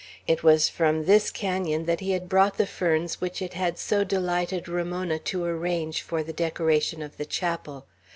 It was from this canon that he had brought the ferns which it had so delighted Ramona to arrange for the decoration of the chapel.